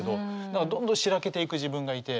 だからどんどん白けていく自分がいて。